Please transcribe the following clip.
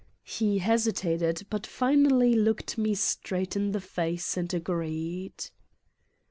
He hesitated but finally looked me straight in the face and agreed.